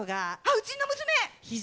うちの娘！